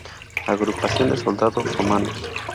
Agrupación de Soldados Romanos.